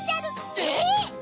えっ⁉